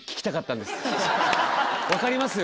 分かります？